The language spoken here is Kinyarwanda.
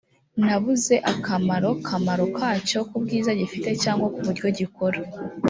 nabuze akamaro kamaro kacyo ku bwiza gifite cyangwa ku buryo gikora